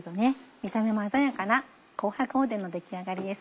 見た目も鮮やかな「紅白おでん」の出来上がりです。